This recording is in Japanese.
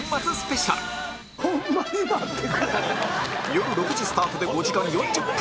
よる６時スタートで５時間４０分